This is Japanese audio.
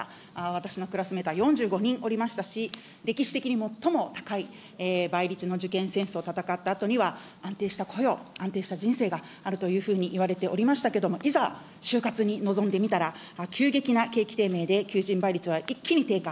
私のクラスメートは４５人おりましたし、歴史的に最も高い倍率の受験戦争を戦ったあとには、安定した雇用、安定した人生があるというふうにいわれておりましたけども、いざ就活に臨んでみたら、急激な景気低迷で求人倍率は一気に低下。